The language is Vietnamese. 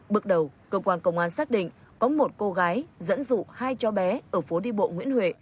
bước đầu cơ quan công an xác định có một cô gái dẫn dụ hai cháu bé ở phố đi bộ nguyễn huệ